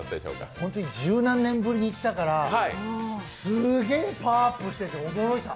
ホントに十何年ぶりに行ったから、すげぇパワーアップしてて驚いた。